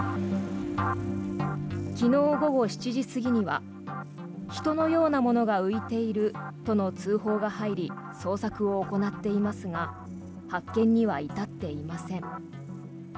昨日午後７時過ぎには人のようなものが浮いているとの通報が入り捜索を行っていますが発見には至っていません。